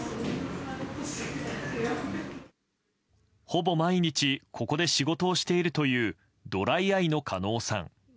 ほぼ毎日ここで仕事をしているというドライアイの狩野さん。